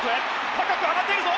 高く上がっているぞ！